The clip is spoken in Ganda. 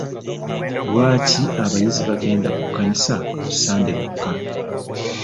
Lwaki abayizi bagende ku kkanisa ku Sande lwokka?